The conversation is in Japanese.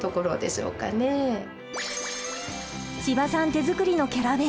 手作りのキャラ弁。